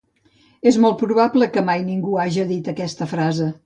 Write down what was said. És molt probable que mai ningú no haja dit aquesta frase.